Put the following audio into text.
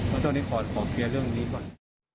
คุณเจ้านี่ขอเคลียร์เรื่องนี้ก่อน